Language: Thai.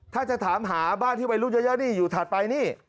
ถ้าจะถามหาบ้านที่วัยรุ่นเยอะนี่อยู่ถัดไปนี่